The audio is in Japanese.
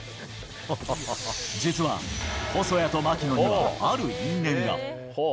実は、細谷と槙野にはある因縁が。